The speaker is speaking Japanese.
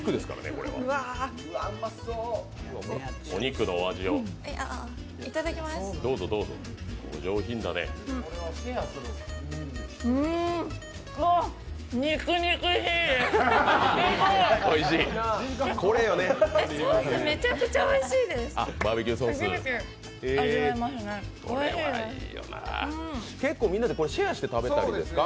初めて味わいますね、おいしいです結構みんなで、これシェアして食べたりですか？